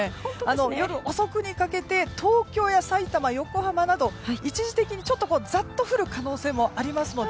夜遅くにかけて東京や、さいたま、横浜など一時的に、ざっと降る可能性もありますので。